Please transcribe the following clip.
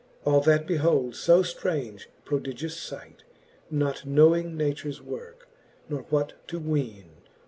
All that behold fo ftraunge prodigious fight, Not knowing natures worke, nor what to weene